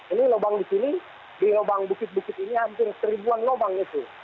ini lobang di sini di lobang bukit bukit ini hampir seribuan lobang itu